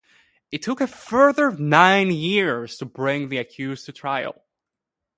It took a further nine years to bring the accused to trial.